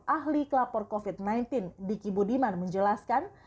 ahli kelapor covid sembilan belas diki budiman menjelaskan